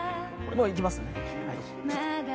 もういきますね。